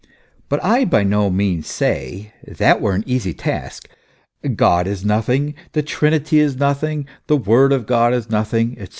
But I by no means say (that were an easy task !): God is nothing, the Trinity is nothing, the Word of God is nothing, &c.